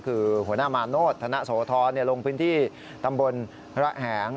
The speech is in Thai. คือหัวหน้ามาโนธนโสธรลงพื้นที่ตำบลพระแหง